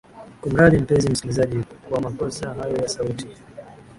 kumradhi mpenzi msikilizaji kwa makosa hayo ya sauti